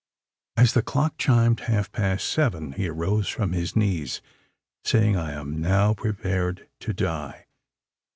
As the clock chimed half past seven, he arose from his knees, saying, "I am now prepared to die."